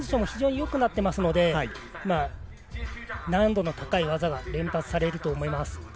非常によくなっていますので難度の高い技が連発されると思います。